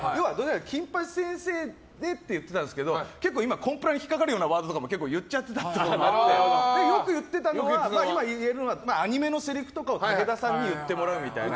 金八先生でって言ってたんですけど結構今コンプラに引っかかるようなワードも結構言っちゃってたんでよく言ってて、今言えるのはアニメのセリフとかを武田さんに言ってもらうみたいな。